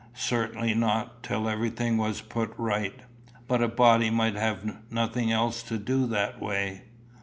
"Certainly not, till everything was put right." "But a body might have nothing else to do, that way."